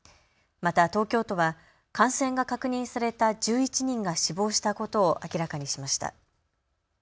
また東京都は感染が確認された１１人が死亡したことを明らかにしました。